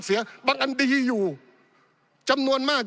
ปี๑เกณฑ์ทหารแสน๒